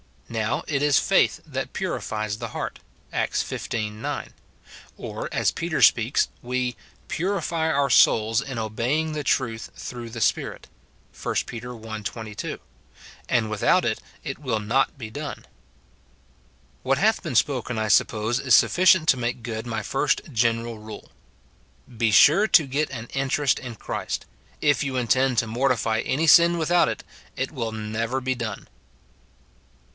Now, it is faith that purifies the heart, Acts xv. 9 ; or, as Peter speaks, we " purify our souls in obeying the truth through the Spirit," 1 Pet. i. 22; and without it, it will not be done. What hath been spoken I suppose is sufficient to make good my first general rule ;— Be sure to get an interest in Christ; if you intend to mortify any sin without it, it will never he done.